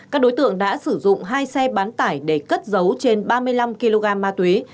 các đối tượng đã sử dụng hai xe bán tải để cất dấu trên ba mươi năm kg ma túy